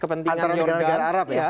antara negara negara arab ya